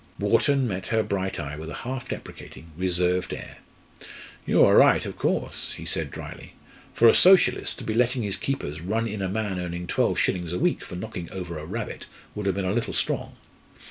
Wharton met her bright eye with a half deprecating, reserved air. "You are right, of course," he said drily. "For a Socialist to be letting his keepers run in a man earning twelve shillings a week for knocking over a rabbit would have been a little strong.